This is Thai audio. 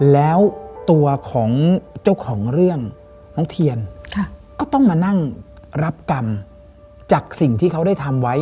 น้องเทียนก็ต้องมานั่งรับกรรมจากสิ่งที่เขาได้ทำไว้